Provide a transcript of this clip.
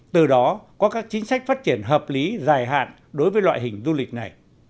từ đó có các chính sách phát triển hợp lý dài hạn đối với loại hình du lịch này